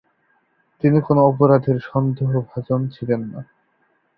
তিনি কোন অপরাধের সন্দেহভাজন ছিলেন না।